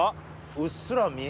うっすら見える。